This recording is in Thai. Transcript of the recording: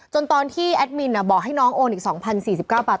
ตอนที่แอดมินบอกให้น้องโอนอีก๒๐๔๙บาท